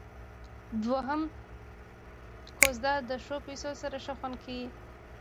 دوهمه کوزده د ښو پيسو سره ښه خوند کيي.